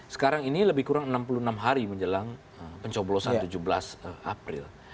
sekarang ini lebih kurang enam puluh enam hari menjelang pencoblosan tujuh belas april